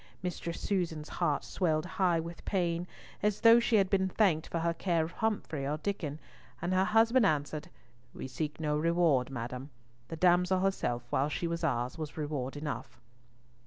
Mistress Susan's heart swelled high with pain, as though she had been thanked for her care of Humfrey or Diccon, and her husband answered. "We seek no reward, madam. The damsel herself, while she was ours, was reward enough."